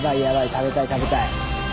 食べたい食べたい。